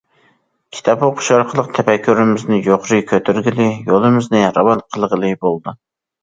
كىتاب ئوقۇش ئارقىلىق تەپەككۇرىمىزنى يۇقىرى كۆتۈرگىلى، يولىمىزنى راۋان قىلغىلى بولىدۇ.